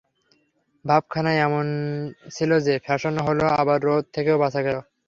ভাবখানা এমন ছিল যে, ফ্যাশনও হলো আবার রোদ থেকেও বাঁচা গেল।